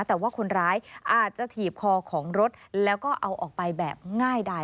แต่ว่าคนร้ายอาจจะถีบคอของรถแล้วก็เอาออกไปแบบง่ายดาย